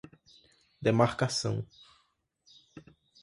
demarcação